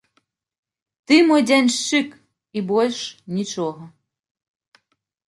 Ты мой дзяншчык, і больш нічога.